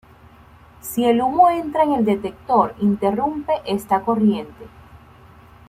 Si el humo entra en el detector, interrumpe esta corriente.